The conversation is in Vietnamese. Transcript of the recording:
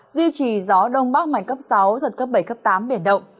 duy trì gió đông bắc mạnh cấp sáu giật cấp bảy cấp tám biển động